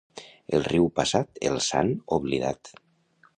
El riu passat, el sant oblidat.